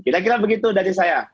kira kira begitu dari saya